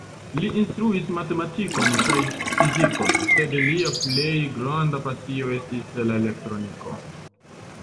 Li instruis matematikon kaj fizikon, sed lia plej granda pasio estis la elektrotekniko.